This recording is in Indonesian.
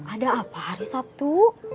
ada apa hari sabtu